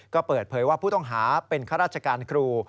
ก็เปิดเผยว่าผู้ต้องหาเป็นข้าราชการครู